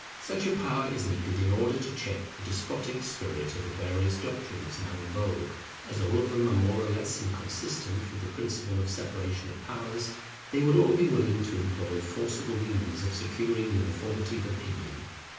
Such a power is needed in order to check the despotic spirit of the various doctrines now in vogue. As all of them are more or less inconsistent with the principle of separation of powers, they would all be willing to employ forcible means of securing uniformity of opinion.